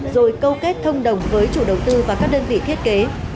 rồi câu kết thông đồng với chủ đầu tư và các đơn vị thiết kế